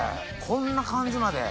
こんな感じまで？